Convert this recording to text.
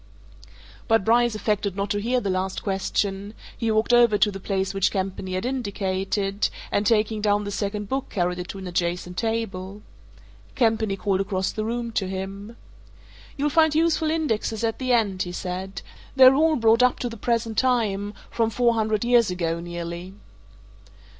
But Bryce affected not to hear the last question; he walked over to the place which Campany had indicated, and taking down the second book carried it to an adjacent table. Campany called across the room to him. "You'll find useful indexes at the end," he said. "They're all brought up to the present time from four hundred years ago, nearly."